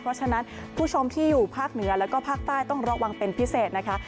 เพราะฉะนั้นผู้ชมที่อยู่ภาคเหนือแล้วก็ภาคใต้ต้องระวังเป็นพิเศษนะคะ